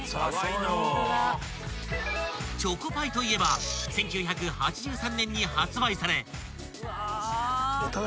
［チョコパイといえば１９８３年に発売され］